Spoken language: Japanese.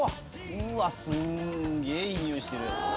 うわすんげぇいい匂いしてる。